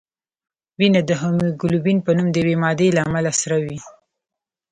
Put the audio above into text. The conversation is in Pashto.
وینه د هیموګلوبین په نوم د یوې مادې له امله سره وي